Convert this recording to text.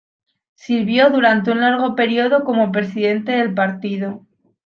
Sirvió durante un largo periodo como presidente del partido.